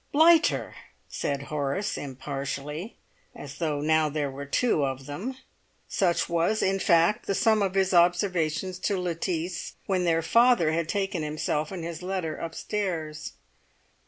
"Blighter!" said Horace impartially, as though now there were two of them. Such was, in fact, the sum of his observations to Lettice when their father had taken himself and his letter upstairs.